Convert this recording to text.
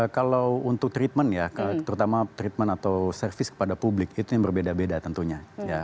kalau untuk treatment ya terutama treatment atau service kepada publik itu yang berbeda beda tentunya